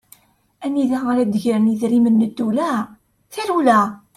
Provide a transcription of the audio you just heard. Anida ara d-gren idrimen n ddewla, tarewla!